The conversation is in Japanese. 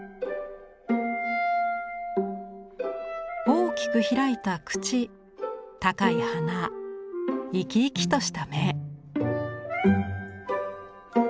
大きく開いた口高い鼻生き生きとした目。